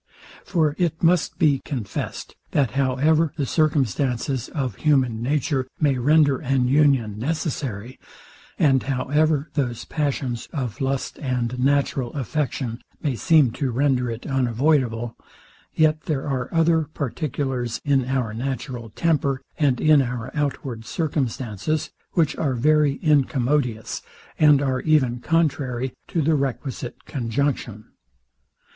For it must be confest, that however the circumstances of human nature may render an union necessary, and however those passions of lust and natural affection may seem to render it unavoidable; yet there are other particulars in our natural temper, and in our outward circumstances, which are very incommodious, and are even contrary to the requisite conjunction.